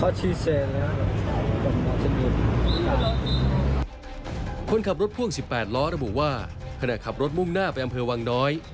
คนขับรถพ่วง๑๘ล้อระบุว่าขณะขับรถมุ่งหน้าไปอำเภอวังน้อย